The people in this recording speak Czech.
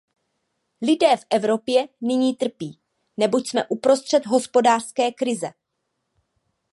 Lidé v Evropě nyní trpí, neboť jsme uprostřed hospodářské krize.